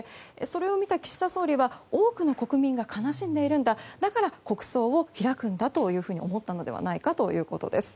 それを見た岸田総理は多くの国民が悲しんでいるんだだから国葬を開くんだと思ったのではないかということです。